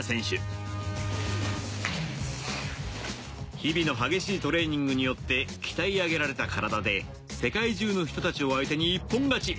日々の激しいトレーニングによって鍛え上げられた体で世界中の人たちを相手に一本勝ち。